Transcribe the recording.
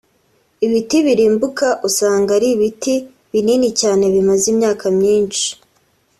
Ibiti birimbuka usanga ari ibiti binini cyane bimaze imyaka myinshi